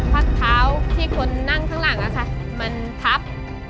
พักเท้าที่คนนั่งข้างหลังมันทับ